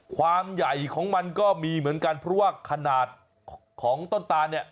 ความใหญ่ของมันก็มีเหมือนกันเพราะว่าขนาดของต้นตานเนี่ย